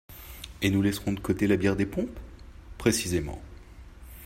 Et nous laisserons de côté la bière des pompes ? Précisément.